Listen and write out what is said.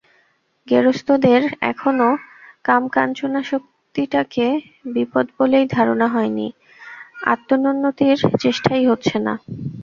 গেরস্তদের এখনও কামকাঞ্চনাসক্তিটাকে বিপদ বলেই ধারণা হয়নি, আত্মোন্নতির চেষ্টাই হচ্ছে না।